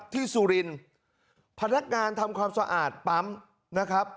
สุรินทร์พนักงานทำความสะอาดปั๊มนะครับ